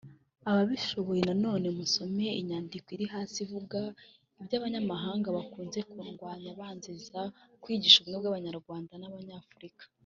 Ababishoboye nanone musome inyandiko iri hasi ivuga iby’abanyamahanga bakunze kundwanya banziza kwigisha ubumwe bw’abanyarwanda n’abanyafurika